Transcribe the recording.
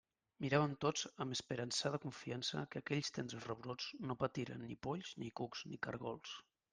Miràvem tots amb esperançada confiança que aquells tendres rebrots no patiren ni polls ni cucs ni caragols.